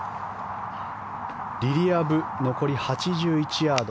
リリア・ブ、残り８１ヤード。